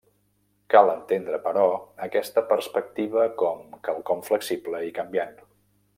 Cal entendre, però, aquesta perspectiva com quelcom flexible i canviant.